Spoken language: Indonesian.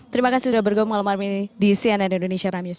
terima kasih sudah bergabung malam hari ini di cnn indonesia prime news